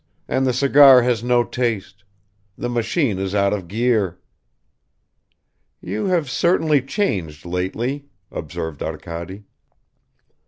and the cigar has no taste. The machine is out of gear." "You have certainly changed lately," observed Arkady.